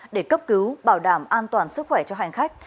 để cấp cứu bảo đảm an toàn sức khỏe cho hành khách